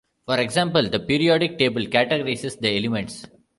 For example, the periodic table categorizes the elements.